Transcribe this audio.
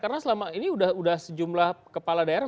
karena selama ini udah sejumlah kepala daerah